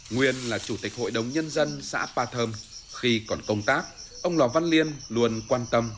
nguyên là chủ tịch hội đồng nhân dân xã ba thơm khi còn công tác ông lò văn liên luôn quan tâm